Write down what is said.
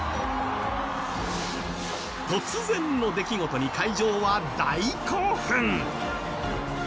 突然の出来事に会場は大興奮。